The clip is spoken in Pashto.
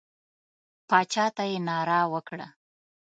باچا ته یې ناره وکړه.